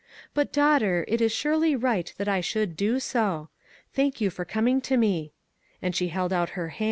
But, daughter, it is surely right that I should do so. Thank you for coming to me," and she held out her hand.